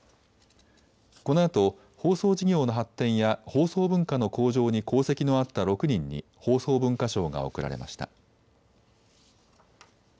このあと放送事業の発展や放送文化の向上に功績のあった６人に放送文化賞が贈られました。